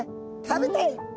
食べたい！